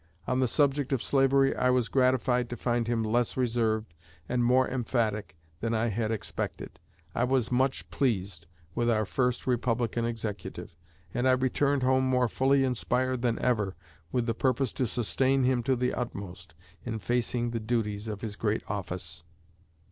On the subject of slavery I was gratified to find him less reserved and more emphatic than I had expected. I was much pleased with our first Republican Executive, and I returned home more fully inspired than ever with the purpose to sustain him to the utmost in facing the duties of his great office."